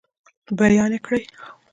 بیان یې کړئ.